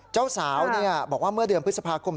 เจ้าสาวบอกว่าเมื่อเดือนพฤษภาคม